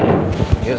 quem itu ta'ak